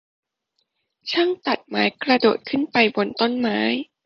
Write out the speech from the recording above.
ช่างตัดไม้กระโดดขึ้นไปบนต้นไม้